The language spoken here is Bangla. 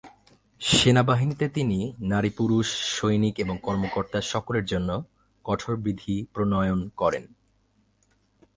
সেনাবাহিনীতে তিনি নারী, পুরুষ সৈনিক এবং কর্মকর্তা সকলের জন্য কঠোর বিধি প্রণয়ন করেন।